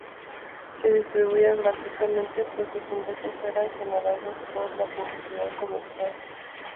Se distribuía gratuitamente, pues los ingresos eran generados por la publicidad comercial.